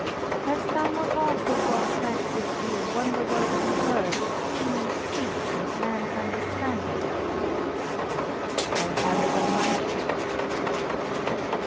"Hast thou not also brought back with thee a wonder working bird with human speech and man's understanding?" "I have it on my ship."